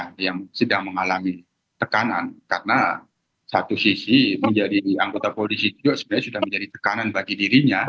jadi anggota yang sedang mengalami tekanan karena satu sisi menjadi anggota polisi juga sebenarnya sudah menjadi tekanan bagi dirinya